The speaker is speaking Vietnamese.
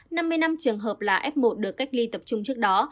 năm mươi năm trường hợp là f một được cách ly tập trung trước đó